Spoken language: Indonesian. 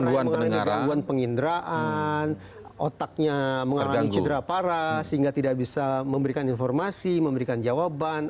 ada yang mengalami gangguan penginderaan otaknya mengalami cedera parah sehingga tidak bisa memberikan informasi memberikan jawaban